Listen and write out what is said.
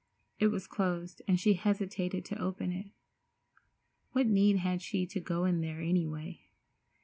It was closed, and she hesitated to open it. What need had she to go in there, any way?